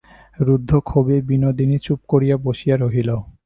রুদ্ধ ক্ষোভে বিনোদিনী চুপ করিয়া বসিয়া রহিল।